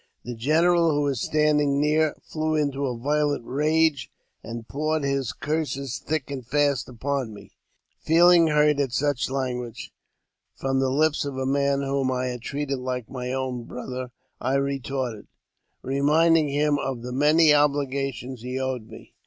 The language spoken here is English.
The general, who was standing near, flew into a violent rage, and poured his curses thick and fast upon me. Feeling hurt at such language from the lips of a man whom I had treated like my own brother, I retorted, reminding him of the many obliga tions he owed me.